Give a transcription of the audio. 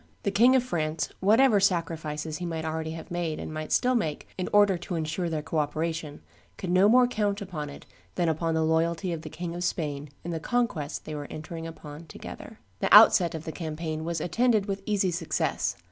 The King of France, whatever sacrifices he might already have made and might still make in order to insure their co operation, could no more count upon it than upon the loyalty of the King of Spain in the conquest they were entering upon together. The outset of the campaign was attended with easy success.